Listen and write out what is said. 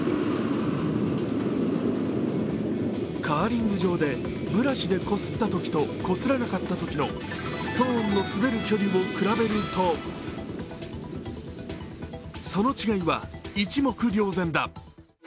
カーリング場でブラシでこすったときとこすらなかったときのストーンの滑る距離を比べるとその違いは一目瞭然だ。